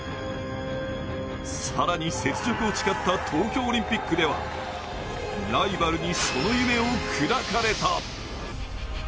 更に雪辱を誓った東京オリンピックではライバルにその夢を砕かれた。